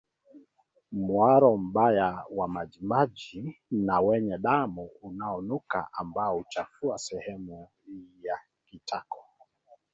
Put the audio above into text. Mharo mbaya wa majimaji na wenye damu unaonuka ambao huchafua sehemu ya kitako